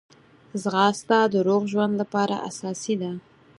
ځغاسته د روغ ژوند لپاره اساسي ده